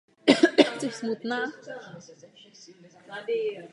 Od té doby jezdí do této země na několik měsíců v roce.